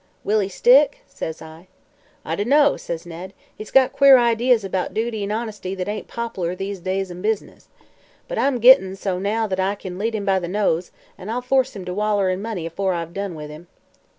"'Will he stick?' says I. "'I dunno,' says Ned. 'He's got queer ideas 'bout duty an' honesty that ain't pop'lar these days in business. But I'm gitt'n so now thet I kin lead him by the nose, an' I'll force him to waller in money afore I've done with him.'